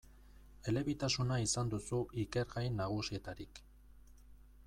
Elebitasuna izan duzu ikergai nagusietarik.